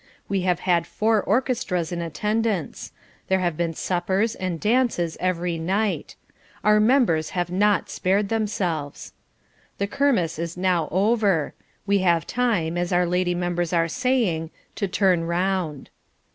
We have had four orchestras in attendance. There have been suppers and dances every night. Our members have not spared themselves. The Kermesse is now over. We have time, as our lady members are saying, to turn round.